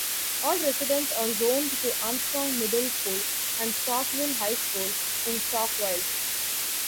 All residents are zoned to Armstrong Middle School and Starkville High School in Starkville.